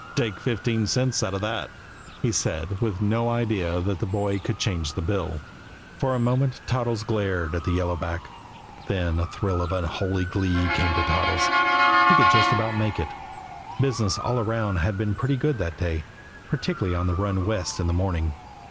"Take fifteen cents out of that," he said, with no idea that the boy could change the bill. For a moment Toddles glared at the yellow back, then a thrill of unholy glee came to Toddles. He could just about make it, business all around had been pretty good that day, particularly on the run west in the morning.